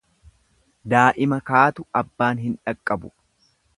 Daa'ima kaatu abbaan hin dhaqqabu.